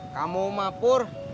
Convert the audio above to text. kamu mah pur